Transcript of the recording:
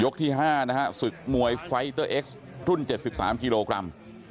ที่๕นะฮะศึกมวยไฟเตอร์เอ็กซ์รุ่น๗๓กิโลกรัม